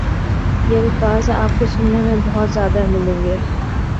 یہ الفاظ آپ کو سنے میں بہت زیادہ ملیں گے